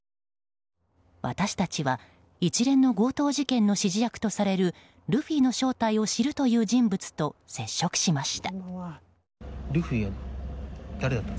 私たちは一連の強盗事件の指示役とされるルフィの正体を知るという人物と接触しました。